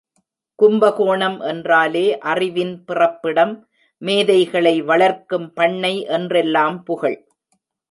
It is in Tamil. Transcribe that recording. கும்பகோணம் என்றாலே அறிவின் பிறப்பிடம், மேதைகளை வளர்க்கும் பண்ணை என்றெல்லாம் புகழ்.